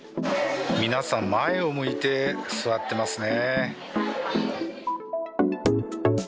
皆さん、前を向いて座ってますね。